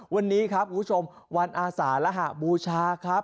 วันนี้ครับคุณผู้ชมวันอาสารหบูชาครับ